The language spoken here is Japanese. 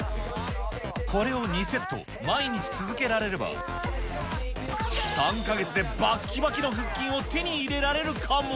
これを２セット、毎日続けられれば、３か月でばっきばきの腹筋を手に入れられるかも？